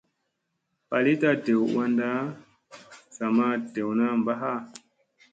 Falita dew wanda sa ma dewna mba ha.